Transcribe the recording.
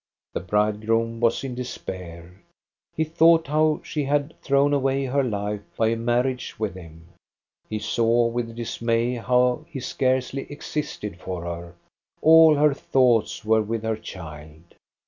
The bridegroom was in despair. He thought how she had thrown away her life by a marriage with him. He saw with dismay how he scarcely existed for her. All her thoughts were with her child.